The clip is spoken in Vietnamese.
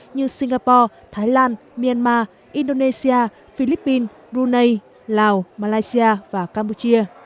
như singapore thái lan myanmar indonesia philippines brunei lào malaysia và campuchia